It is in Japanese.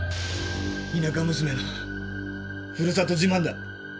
田舎娘のふるさと自慢だ。